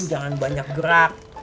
nanti jangan banyak gerak